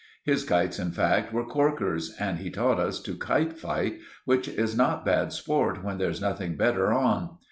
His kites, in fact, were corkers, and he taught us to kite fight, which is not bad sport when there's nothing better on.